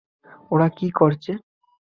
ওরা কী করছে?